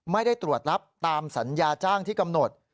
ไม่ได้ตรวจรับตามสัญญาจ้างที่กำหนด